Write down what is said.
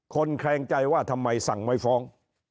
แคลงใจว่าทำไมสั่งไม่ฟ้อง